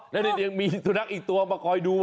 แล้วยังมีสุนัขอีกตัวมาคอยดู